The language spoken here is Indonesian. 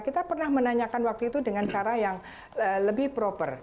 kita pernah menanyakan waktu itu dengan cara yang lebih proper